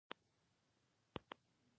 ځینې محصلین د بریا لپاره نه ستړي کېږي.